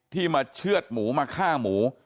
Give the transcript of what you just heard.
มาเชื่อดหมูมาฆ่าหมู